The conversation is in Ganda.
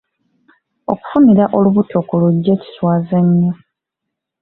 Okufunira olubuto ku luggya kiswaza nnyo.